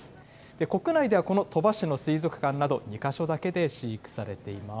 国内ではこの鳥羽市の水族館など２か所だけで飼育されています。